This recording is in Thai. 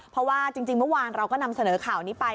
เพราะว่าจริงเมื่อวานเราก็นำเสนอข่าวนี้ไป